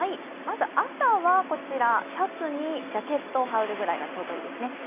まず朝は、シャツにジャケットを羽織るぐらいがちょうどいいですね。